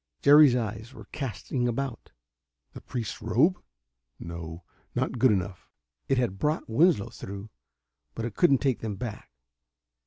Jerry's eyes were casting about. The priest's robe? No, not good enough. It had brought Winslow through, but it couldn't take them back.